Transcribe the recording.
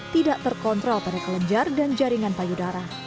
tidak terkontrol pada kelenjar dan jaringan payudara